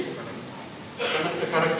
karena kita adalah negara demokrasi